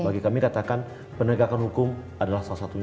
bagi kami katakan penegakan hukum adalah salah satunya